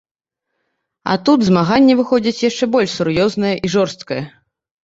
А тут змаганне выходзіць яшчэ больш сур'ёзнае і жорсткае.